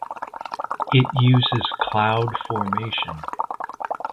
It uses CloudFormation